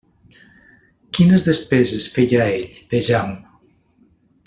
Quines despeses feia ell, vejam?